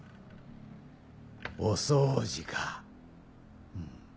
お掃除かうん。